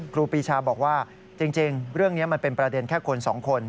ครูปีชาบอกว่าจริงเรื่องนี้มันเป็นประเด็นแค่คนสองคน